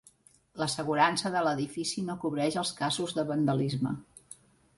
L'assegurança de l'edifici no cobreix els casos de vandalisme.